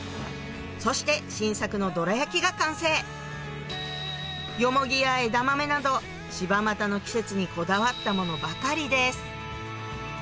そして新作のどら焼きがよもぎや枝豆など柴又の季節にこだわったものばかりです